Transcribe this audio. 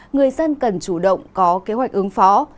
người dân cần chủ động có kế hoạch ứng phó